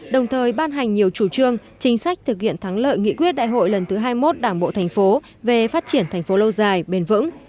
đồng thời ban hành nhiều chủ trương chính sách thực hiện thắng lợi nghị quyết đại hội lần thứ hai mươi một đảng bộ thành phố về phát triển thành phố lâu dài bền vững